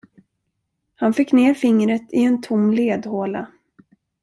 Han fick ner fingret i en tom ledhåla.